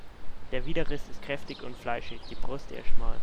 Der Widerrist ist kräftig und fleischig, die Brust eher schmal.